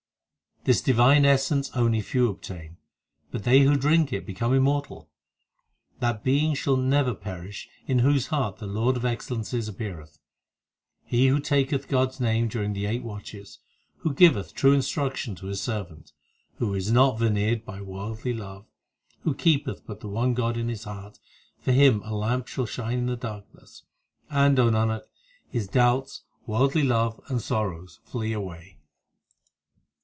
This divine essence only few obtain, But they who drink it become immortal. That being shall never perish In whose heart the Lord of excellences appeareth. He who taketh God s name during the eight watches, Who giveth true instruction to his servant, Who is not veneered by worldly love, Who keepeth but the one God in his heart For him a lamp shall shine in the darkness, And, O Nanak, his doubts, worldly love, and sorrows flee away.